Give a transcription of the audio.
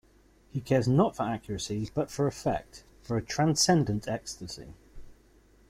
He cares not for accuracy but for effect, for a transcendent ecstasy.